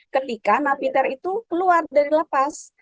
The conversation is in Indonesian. ketika napi ter itu keluar dari lepas